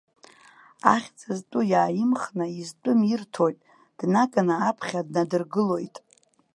Ахьӡ зтәу иааимхны изтәым ирҭоит, днаганы аԥхьа днадыргылоит.